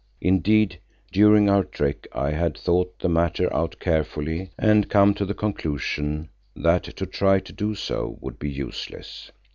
Indeed, during our trek, I had thought the matter out carefully and come to the conclusion that to try to do so would be useless.